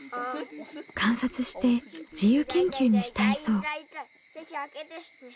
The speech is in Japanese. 観察して自由研究にしたいそう。